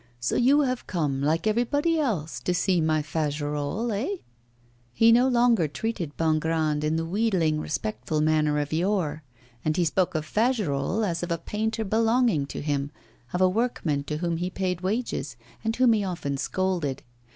'So you have come, like everybody else, to see my Fagerolles, eh?' He no longer treated Bongrand in the wheedling, respectful manner of yore. And he spoke of Fagerolles as of a painter belonging to him, of a workman to whom he paid wages, and whom he often scolded.